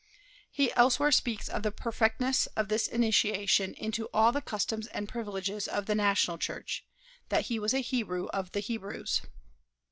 He elsewhere speaks of the perfectness of this initiation into all the customs and privileges of the national church that he was a Hebrew of the Hebrews.